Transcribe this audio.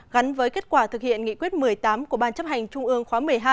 gắn với kết quả thực hiện nghị quyết một mươi tám của ban chấp hành trung ương khóa một mươi hai